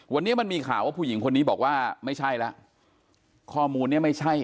วันนี้มันมีข่าวว่าผู้หญิงคนนี้บอกว่าไม่ใช่แล้วข้อมูลนี้ไม่ใช่